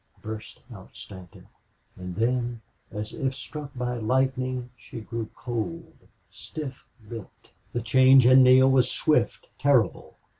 burst out Stanton, and then, as if struck by lightning she grew cold, stiff lipped. The change in Neale was swift, terrible.